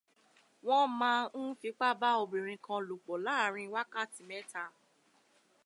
Wọ́n má ń fipá bá obìnrin kan lòpò láàárín wákàtí mẹ́ta.